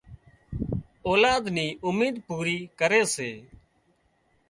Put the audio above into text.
اولاد نِي اميد پوري ڪري سي